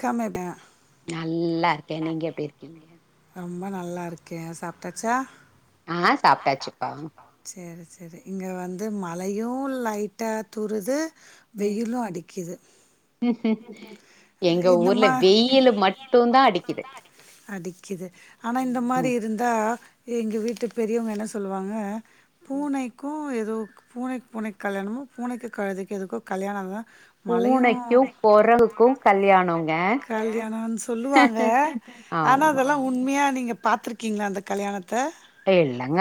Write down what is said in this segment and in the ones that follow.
கமெடா நல்லார்க்கே நீங்க எப்டி இருக்கீங்க ரொம்ப நல்லா இருக்கே சாப்டாச்சா ஆ சாப்டாச்சுப்பா செரி செரி இங்க வந்து மழையூ லைட்டா தூறுது ம் வெயிலு அடிக்கிது இந்த ம டூந்தா அடிக்கிது அடிக்கிது ஆனா இந்த மாரி ம் இருந்தா எங்க வீட்டு பெரியவங்க என்ன சொல்லுவாங்க ம் பூனைக்கூ எதோக் பூனைக் பூனைக்கு கல்யாணமோ பூனைக்கு கழுதைக்கு எதுக்கோ கல்யாணொந்தா பூனைக்கு கொரங்குக்கு கல்யாணோங்க கல்யாணம்னு ஆமா உண்மையா நீங்க பாத்துருக்கீங்ளா அந்த கல்யாணத்த இல்லங்க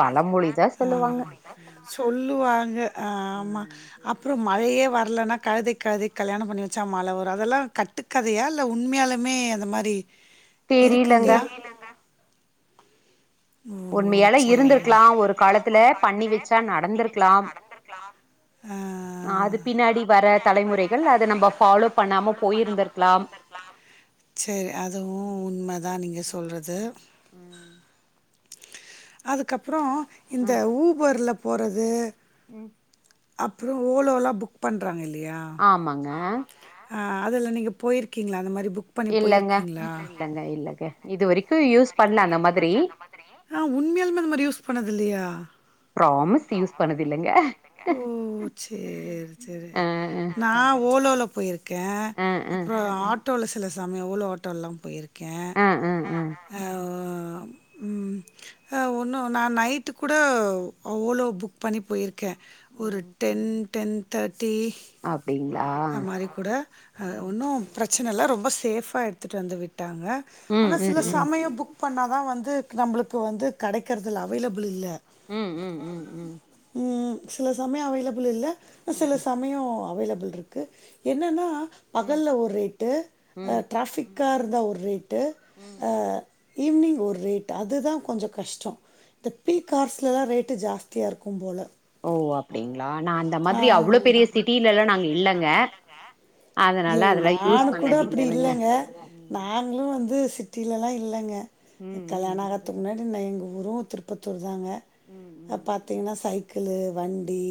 பழமொழிதா ஆ சொல்லுவாங்க ம் சொல்லுவாங்க ஆமா ம் அப்றொ மழையே வரலன்னா கழுதைக் கழுதைக் கல்யாணம் பண்ணி வச்சா மழ வரு அதெல்லா கட்டு கதையா இல்ல உண்மையாலுமே அந்த மாரி தெரிலங்க இருக்குங்ளா உண்மையாலே சேரி இருந்துருக்லா ஒரு காலத்துல பண்ணி வச்சா நடந்துருக்லாம் ஆ அது பின்னாடி வர தலைமுறைகள் அத நம்ம ஃபாலோ பண்ணாம போயிருந்துருக்லாம் சேரி அதுவு உண்மதா நீங்க ம் சொல்றது ம் அதுக்கப்றோ இந்த ம். ஊபர்ல போறது ம் அப்றோ ஓலோலா புக் பண்றாங்க இல்லையா ஆமாங்க ஆஹ் அதுல நீங்க போயிருக்கீங்ளா அந்த மாரி புக் பண்ணி இல்லங்க போயிருக்கீங்களா இல்லங்க இல்லங்க இது வரைக்கு யூஸ் பண்ல அந்த மாதிரி அ உண்மையாலுமே அந்த மாரி யூஸ் பண்ணதுல்லையா ப்ராமிஸ் யூஸ் பண்ணது இல்லங்க ஓ சேரி சேரி ஆஹ் நா ஓலோல பொயிருக்கே அ அப்றோ ஆட் ஆட்டோல சில சமயொ ஓலோ ஆட்டோல்லா பொயிருக்கே அ அ அ ஆ ஒ ம் ஆ ஒன்னு நா நைட்டு கூட அவ்வளோ புக் பண்ணி பொயிருக்கே ஒரு ம் டென் டென் தேட்டி அப்டிங்களா அ மாரிக்கூட அ ம் ஒன்னு பிரச்சனல்ல ரொம்ப சேஃபா எடுத்துட்டு வந்து விட்டாங்க ம் ஆனா ம் சில ம் சமயோ புக் பண்ணா துலா வந்து நம்மளுக்கு வந்து கெடைக்கற்துல்ல அவேலபுள் இல்ல ம் ம் ம் ம் ம் ம் சில சமயோ அவேலபுள் இல்ல சில ம் சமயோ அவேலபுள்ருக் என்னன்னா ம் பகல்ல ஒரு ரேட்டு அ ம் ட்ராபிக்கா இருந்த ஒரு ரேட் ட்டு ம் ஆ ஈவ்னிங் ஒரு ரேட்டு் அதுதா கொஞ்ச கஷ்டோ இந்த பீக்கார்ஸ்லலா ரேட்டு ஜாஸ்தியா இருக்கும் போல ஓ அப்டிங்களா நா அந்த மாதிரி அவ்ளோ ஆ. பெரிய சிட்டிலெல்லா நாங்க இல்லங்க அதுனால ஏங்க அதெல்லா யூஸ் நானு கூட பண்ணதே அப்டி இல்லலேங்க இல்லங்க நாங்களு வந்து சிட்டிலேல்லா இல்லங்க ம் கல்யாணோ ம் ஆகறதுக்கு முன்னாடினா எங்க ஊரு திருப் பத்தூர் தாங்க ம் ம் அப் பாத்தீங்கன்னா சைக்களு வண்டி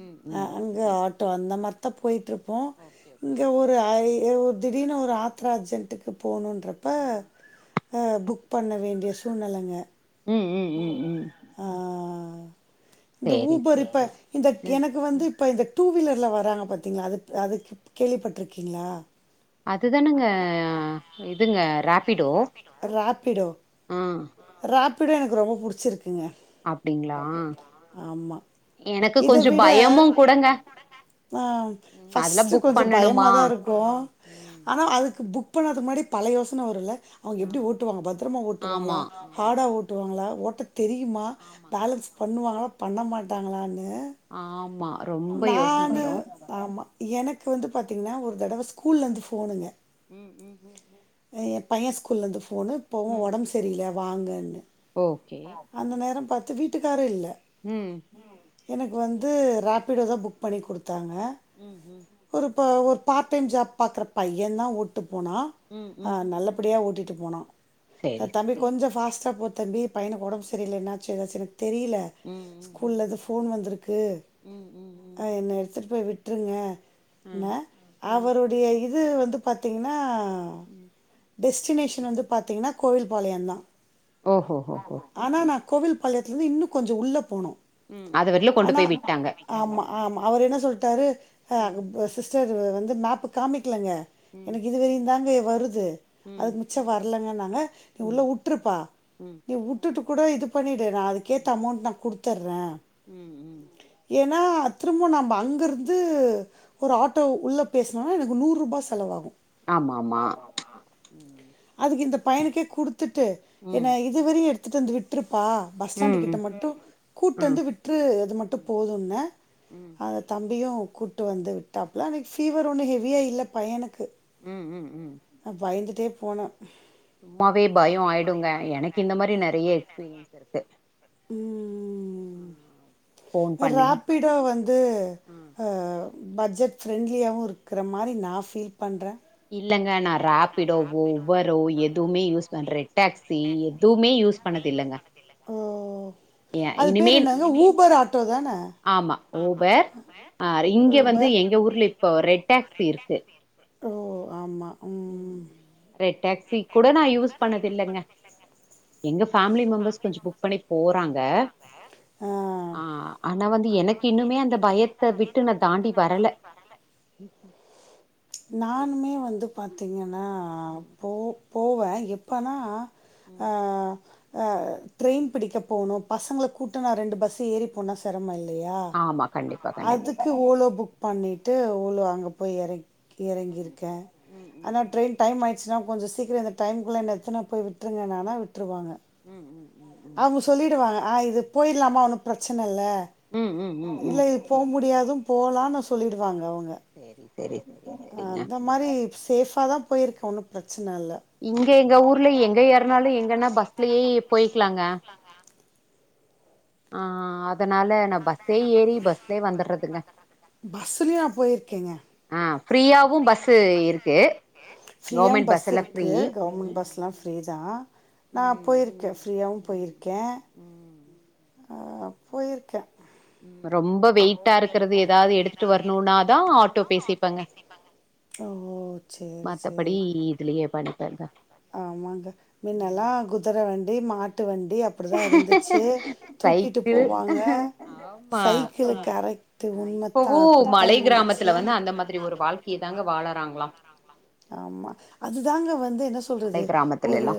ம் ம் இங்க ஆட்டோ அந்த மாரி தா போய்ட்ருப்போ ஓகே ஓகே இங்க ஓகே ஒரு ஆரி ஏழூர் திடீர்னு ஒரு ஆத்தர அர்ஜெண்டுக்கு போகணுன்றப்ப ம் அ புக் பண்ண வேண்டிய சூழ்நெலங்க ம் ம் ம் ம் ஆ இந்த சேரி ஊபர் இப்ப ம் இந்தக் எனக்கு வந்து இப்ப இந்த டூ விலர்ல வராங்க பாத்தீங்களா அது அதுக்கு கேள்விப்பட்ருக்கீங்களா அது தானங்க இதுங்க ராப்பிடோ ராப்பிடோ ஆ ராப்பிடோ எனக்கு ரொம்ப புடிச்சிருக்குங்க அப்டிங்களா ஆமா எனக்கு இத கொஞ்சோ விட பயமு கூடங்க ஆ ம் அதெல்லா பஸ்ட்டு புக் கொஞ்சோ பயமா பண்ணணுமா தா இருக்கு ம் க்கு ம் ஆனா அதுக்கு புக் பண்ணதுக்கு முன்னாடி பல யோசன வருல்ல அவுங்க எப்டி ஆமா ஓட்டுவாங்க பத்துரமா ஓட்டுவாங்களா ஆமா ஆமா ஹார்டா ஓட்டுவாங்களா ஓட்ட தெரியுமா ஆமாங்க பேலன்ஸ் பண்ணுவாங்களா பண்ண மாட்டாங்களான்னு ஆம்மா ரொம்ப யோசன நானு வரு ஆமா எனக்கு வந்து பாத்தீங்கன்னா ஒரு தடவ ஸ்கூல்ருந்து ஃபோனுங்க ம் ம் ஏ பைய ஸ்கூல்ல இருந்து ஃபோனு இப்பவு ம் உடம்பு சரியில்ல வாங்கன்னு ஓகே அந்த நேரோ பாத்து வீட்டுக்காரு இல்ல ம் எனக்கு வந்து ராப்பிடோ தா ஃபுக் பண்ணி குடுத்தாங்க ம் ஹும் ஒரு ஒரு பார்ட் டைம் ஜாப் பாக்குற பையந்தா ஓட்டுட் போனா ம் ஆ ம் நல்லப் புடியா ஓட்டிட்டு போன சேரி சேரி தம்பி கொஞ்சோ ஃபாஸ்ட் சாப் போ தம்பி பையனுக்கு ஒடம்பு சரியில்ல என்னாச்சு ஏதாச்சுனு தெரியில ம் ம் ஸ்கூல்ல இருந்து ஃபோன் வந்துருக்கு ம் ம் ம் அ என்ன எட்த்துட்டு போய் விட்ருங்க ம் ன்ன ம் அவருடைய இது வந்து பாத்தீங்கன்னா ம் டெஸ்டினேஷன் வந்து பாத்தீங்கன்னா கோவில் பாளையந்தா ஓ ஹோ ஹோ ஹோ ஆனா நா கோவில் பாளையத்துலருந்து இன்னு கொஞ்சோ உள்ள போனு ம் அது வர்லயு கொண்டு போய் விட்டாங்க ம் ஆமா அவர் என்ன சொல்ட்டாரு அ ம் சிஸ்டர் வ வந்து மேப்பு காமிக்கலங்க ம் எனக்கு இதுவரையுந்தாங்க எ வருது ம் அதுக் மிச்சோ வர்லங்க நாங்க நீ உள்ள ம் உட்டுருப்பா ம் நீ உட்டுட்டு கூட இது பண்ணிடு நா ம் அதுக்கேத்த அமோண் நா குடுத்தட்றே ம் ம் ஏன்னா திரும்பு நம்ம அங்கிருந்து ஒரு ஆட்டோ உள்ள பேசனுனு எனக்கு நூரூபா செலவாகு ஆமா மா ம் அதுக்கு இந்த பயனுக்கே குடுத்துட்டு ம் ஏன இதுவரையு எடுத்துட்டு வந்து விட்ருப்பா பஸ் ஸ்டாண்டு கிட்ட ம் ம் மட்டு கூட்டு ம் ம் வந்து விட்ரு அது மட்டு போதுன்னே ம் அந்த தம்பியு கூட்டு வந்து விட்டாப்ல அன்னைக்கு ஃபீவர் ஒன்னு ஹெவியா இல்ல பையனுக்கு ம் ம் ம் அ பயந்துட்டே போனோ சும்மாவே பயோ ஆயிடுங்க எனக்கு இந்த மாரி நெறைய எக்ஸ்பீரியன்ஸ் இர்க்கு ம் ம் ம் ம் ஃபோன் பண்ணி ரேப்பிடோ வந்து ம் அ பட்ஜெட் ஃப்ரெண்ட்லியாவு இருக்கிற மாரி நா ஃபீல் பண்றே இல்லங்க நான் ராப்பிடோவோ உவரோ எதுமே யூஸ் பண்றே ரெட் டேக்ஸி எதுமே யூஸ் பண்ணதில்லங்க ஓ அது பேர் என்னங்க ஊபர் ஆட்டோ தான ஆமா ஊபர் ஆ ரு இங்க வந்து எங்க ஊர்ல இப்போ ரெட் டேக்ஸி இர்க்கு ஓ ஆம்மா ரெட் டேக்சி கூட நா யூஸ் பண்ணதில்லங்க எங்க ஃபேமிலி மெம்பர்ஸ் கொஞ்சோ புக் பண்ணி போறாங்க ஆ ஆனா வந்து எனக்கு இன்னுமே அந்த பயத் த விட்டு நா தாண்டி வரல எ நானுமே வந்து பாத்தீங்கன்னா ம் போ போவே எப்போனா ம். ஆ அ ட்ரெய்ன் பிடிக்க போணு பசங்கள கூட்டனா ரெண்டு பஸ் ஏறி போனா செரமோ இல்லயா ஆமா கண்டிப்பா கண்டிப்பா அதுக் க்கு ஓலோ புக் பண்ணிட்டு ஓலோ அங்க போய் எற ம் எறங்கிருக்கே ம் ம் ஆனா ம் ட்ரெய்ன் டைம் ஆய்டுச்சுனா கொஞ்சோ சீக்கிரோ இந்த டைம்குள்ள என்ன எத்தன போய் விட்டுருங்கன்னானா விட்ருவாங்க ம் ம் ம் ம் சொல்லிடுவாங்க ஆ இது போயிர்லாமா ஒன்னு ப்ரச்சன இல்ல ம் ம் ம் இல்ல ம் இ போ முடியாது போலான்னு சொல்லிடுவாங்க அவுங்க சேரி சேரி சேரி அ சேரிங்க அந்த ம் மாரி சேஃபா தா போயிருக்கே ஒன்னு பிரச்சன இல்ல இங்க எங்க ஊர்ல எங்க ஏறனாலு எங்கன்னா பஸ்லயே போயிக்லாங்க ந்தாங்ளா ஆ ஆ அதனால நா பஸ் சே ஏரி பஸ்லயே வந்தர்றதுங்க பஸ்லயு நா போயிருக்கேங்க ஆ ஃப்ரீயாவு பஸ்சு இருக்கு ஃப்ரீயாவு கவர்மெண்ட் பஸ் எல்லா ஃப்ரீ இருக்கு கவர்மெண்ட் ம் பஸ்லா ஃப்ரீ தா நா ம் போயிருக்கே ஃப்ரீயாவு ம் போயிருக்கே ம் ஆ போயிருக்கே ம், ரொம்ப வெயிட்டா இருக்கறது ஏதாது எடுத்துட்டு வரணுனாதா ஆட்டோ பேசிப்பங்க ஓ சேரி மத்தபடி சேரி இதுலயே பண்ணிப்பாருங்க ஆமாங்க மின்னெல்லா குதர வண்டி மாட்டு வண்டி அப் டிதா இருந்துச்சி தூக்கிட்டு சைக்கிள் போவாங்க ஆமா சைக்கிளு கரக்ட்டு உண்மைத்தா இப்பவு அப்டித்தா இருந்துச்சு ஒரு யேதாங்க வாழ்க்கையை தாங்க வாழறாங்களா வாழறாங்களாம். ஆமா அதுதாங்க வந்து என்ன மலை சொல்றது கிராமத்துல ஒரு எல்லா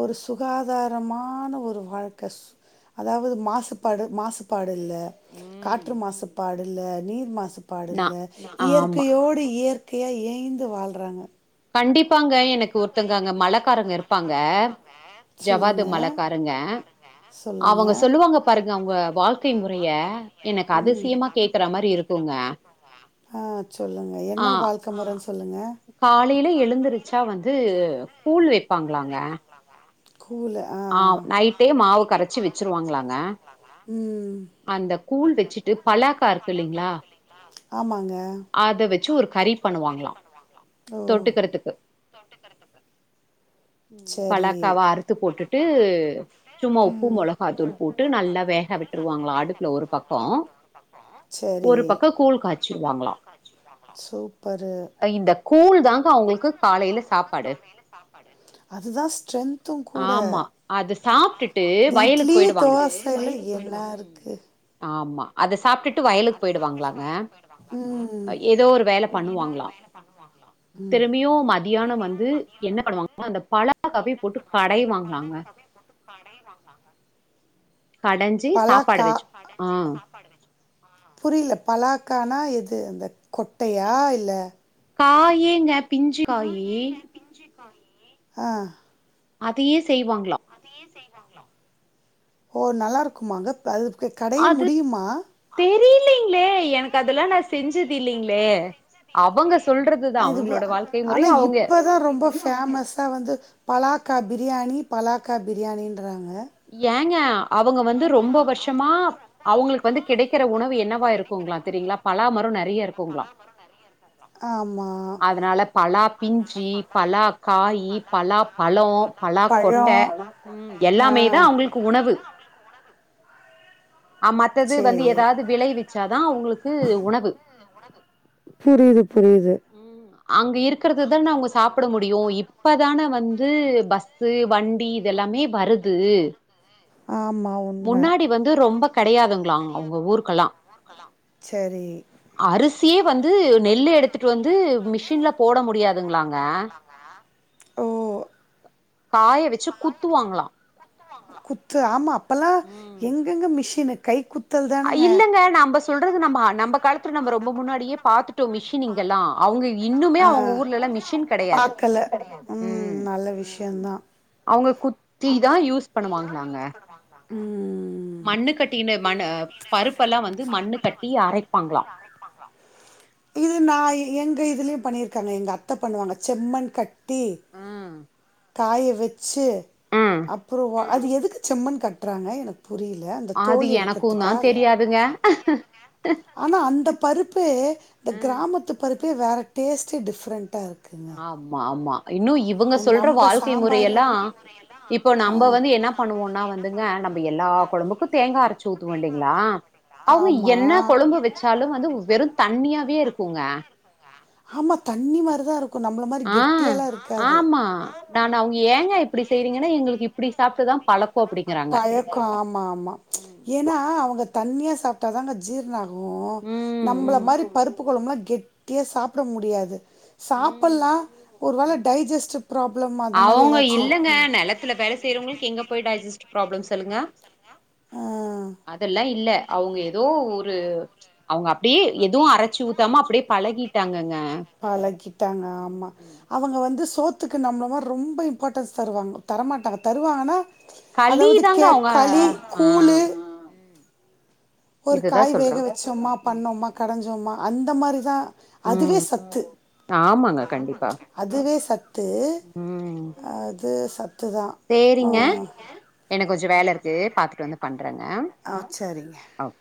ஒரு சுகாதாரமான ஒரு வாழ்க்க அதாவது மாசுபாடு மாசு பாடு இல்ல ம் காற்று மாசு பாடு இல்ல நீர் மாசுப் பாடு நா இல்ல ஆமா இயற்கையோடு இயற்கையா இயய்ந்து வாழ்றாங்க கண்டிப்பாங்க எனக்கு ஒருத்தங்க அங்க மலக்காரங்க இருப்பாங்க ஜவ்வாது சொல்லுங்க மலக்காரங்க சொல்லுங்க அவங்க சொல்லுவாங்க பாருங்க அவுங்க வாழ்க்கை முறைய எனக்கு அதிசயமா கேக்குற மாரி இருக் ஆ சொல்லுங்க ஆ என்ன வாழ்க்க முறன் சொல்லுங்க காலையில எழுந்திருச்சா வந்து கூழ் வெப்பாங்களாங்க கூழா ஆ நைட்டே மாவு கரைச்சி வெச்சருவாங்களாங்க ம் அந்த கூழ் வெச்சுட்டு பலாக்கா இருக்கு இல்லிங்ளா ஆமாங்க அத வெச்சு ஒரு கறி பண்ணுவாங்ளா ஓ தொட்டுக்றதுக்கு [inaudible] சரி பலக்காவா அறுத்து போட்டுட்டு சும்மா உப்பு மொளகா தூள் போட்டு நல்லா வேக விட் ருவாங்களா அடுப்புல ஒரு பக்கோ சரி ஒரு பக்கோ கூழ் காய்ச்சுவாங்களா சூப்பரு இந்த கூழ் தாங்க அவுங்ளுக்கு காலையில சாப்பாடு சாப்பாடு அதுதா ஸ்ட்ரென்து கூட ஆமா அது சாப்ட்டுட்டு இந்த வயலுக்கு இட்லி போயிடுவாங்களா தோசைல்ல என்னாருக் கு ஆமா அத சாப்ட்டுட்டு வயலுக்கு போயிடு வாங்கலாங்க ஏதோ ஒரு வேல பண்ணு வாங்லா பண்ணுவங்கலா திருமியு மதியானோ வந்து என்ன பண்ணுவாங்கன்னா அந்த பலக்காவே போட்டு கடையு வாங்கலாங்க [unintelligible] போட்டு கடையுவாங்லாங்க கடஞ்சி சாப்பாடு வெச்சு ஆ பாடு வெச் புரில பலாக்கானா எது இந்த கொட்டையா இல்ல காயேங்க பிஞ்சு காயி பிஞ்சு காயி ஆ அதையே செய்வாங்ளா ஓ நல்லா இருக்குமாங்க அது கடைய முடியுமா தெரியலிங்ளே எனக்கு அதல்லா நா செஞ்சது இல்லைங்ளே அவங்க சொல்றத் அதுப ஆனா இப்பதா ரொம்போ ஃபேமஸா வந்து பலாக்கா பிரியாணி பலாக்கா பிரியாணின்றாங்க ஏங்க அவங்க வந்து ரொம்ப வர்ஷமா அவுங்ளுக்கு வந்து கிடைக்கிற உணவு என்னவா இருக்குங்களா தெரியங்களா பலாமரோ நெறைய இருக் கூங்களா ஆமா. அதனால பலா பிஞ்சி பலா காய்யி பலா பழம் பலா கொட்டை பழம். ம் ஆ எல்லாமே தா அவங்களுக் கு உணவு அ மத்தது வந்து சரி. ஏதாவது விளைவிச்சாதா அவங்களுக்கு உணவு புரியுது புரியுது ம் அ அங்க இருக்கிறது தா நா அவங்க சாப்பிட முடியு இப்பதான வந்து பஸ்சு வண்டி இதெல்லாமே வருது ஆமா உண்ம. முன்னாடி வந்து ரொம்ப கடையாதுங்களா அவங்க ஊருக்கெல்லா சரி. அரிசியே வந்து நெல்லு எடுத்துட்டு வந்து மிஷின்ல போட முடியாதுங்களாங்க ஓ! காய வச்சுப் குத்து ஆமா அப்பல்லா எங்கெங்க மிஷின் கை குத் அ இல்லங்க நம்ப சொல்றது நம்ம நம்ப காலத்து நம்ப ரொம்ப முன்னாடியே பாத்துட்டோ மிஷினிங்கல்லா அவங்க இன்னுமே ஆ அவங்க ஊர்லல்லா மிஷின் கெடையாது பாக்கல ம் நல்ல விஷயந்தா அவங்க குத்தி தா யூஸ் பண்ணுவாங்களாங்க ம் மண்ணு கட்டின மண் பருப்பெல்லா வந்து மண்ணு கட்டி அரைப்பாங்களா இது நா எங்க இதுலயு பண்ணியிருக்காங்க எங்க அத்த பண்ணுவாங்க செம்மன் கட் டி ம் காய வச்சு ம் அப்பறோ அது எதுக்கு செம்மன் கட்றாங்க எனக்கு புரியல அந்த அது தோல் எனக்குந்தா எடுக்கிறதுக்கா தெரியாதுங்க ஆனா அந்த பருப்பு இந்த ம் கிராமத்து பருப்பே வேறு டேஸ்ட்டே டிஃப்ரெண்ட்டா இருக்கு ஆமா ஆமா இன்னு இவங்க சொல்ற நம்ப வாழ்க்கை சாம்பாரு முறைையெல்லா இப்போ ஆ நம்ம வந்து என்னா பண்ணுவோன்னா வந்துங்க நம்ம எல்லா குடம்புக்கு தேங்கா அரைச்சு ஊத்துவோ இல்லைங்களா அவங்க ஆமா என்ன கொழம்பு வச்சாலு வந்து வெறு தண்ணியாவே இருக்குங்க ஆமா தண்ணி மாரிதா இருக்கு நம்மள மாரி கெட்டியாலா இருக்காது நான்னு அவங்க ஏங்க இப்படி செய்றீங்கன்னா எங்களுக்கு இப்படி சாப்ப்ட்டுதா பழக்க அப்படிங்கறாங்க கொமாமா ஏன்னா அவங்க தண்ணியா சாப் ட்டாதாங்க ஜீரண ஆகு ம் நம்மள ம் மாரி பருப்பு கொழம்லா கெ டியா சாப்ட முடியாது ம் சாப்படலா ஒரு வேள ம் டைஜஸ்ட் ப்ராப்ளம் அந்த மாரி ஏதாச்சு இருக்கு துல வேலை செய்யறவங்களுக்கு எங்க போய் டைஜஸ்ட் ப்ராப்ளம் சொல்லுங்க ஆ அதெல்லா இல்ல அவங்க ஏதோ ஒரு அவங்க அப்டியே எதுவு அரைச்சு ஊத்தாம அப்டியே பழகிட்டாங்கங்கங்க பழகிட்டாங்க ஆமா அவங்க வந்து சோத்துக்கு நம்மள மாரி ரொம்ப இம்பார்ட்டன்ஸ் தருவாங்க தரமாட்டாங்க தருவாங்கன்னா களி அதாவது தாங்க கே அவங்க களி ஆ கூளு ம் ஒரு இதுதா காய் வேக சொல்றாங்க வச்சோமா ம் ம் பண்ணோமா கடைஞ்சோமா அந்த மாரி தா அதுவே ம் சத்து ஆமாங்க கண்டிப்பா அதுவே சத்து ம் அது சத்து தா உ சேரிங்க எனக்கு கொஞ்ச வேலை இருக்குது பாத்துட்டு வந்து பண்ணுறேங்க ஆ சரிங்க அ